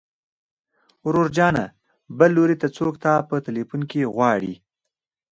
ورور جانه بل لوري ته څوک تا په ټليفون کې غواړي.